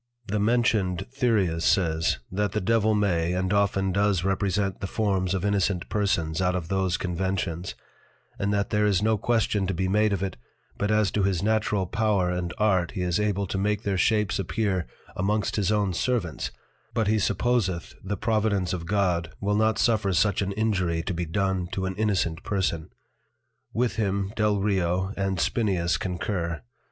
The mentioned Thyreus says, that the Devil may, and often does represent the forms of Innocent Persons out of those Conventions, and that there is no Question to be made of it, but as to his natural Power and Art he is able to make their shapes appear amongst his own Servants, but he supposeth the Providence of God will not suffer such an Injury to be done to an Innocent Person. With him Delrio, and Spineus concur.